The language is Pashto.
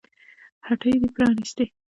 هټۍ دې پرانيستې